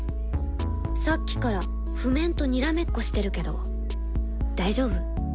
さっきから譜面とにらめっこしてるけど大丈夫？